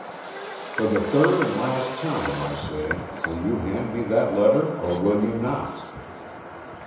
"For the third and last time, I say will you hand me that letter or will you not?"